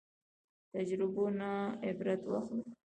تجربو نه عبرت واخلو